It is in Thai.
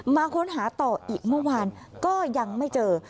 มาค้นหาต่ออีกเมื่อวานก็ยังไม่เจอ